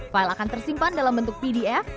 file akan tersimpan dalam bentuk pdf